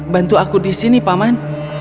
bantu aku di sini paman